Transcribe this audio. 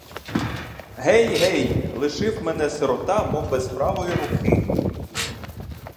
Гей, гей, лишив мене сирота, мов без правої руки.